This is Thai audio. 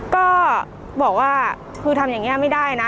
ก็บอกว่าคือทำอย่างนี้ไม่ได้นะ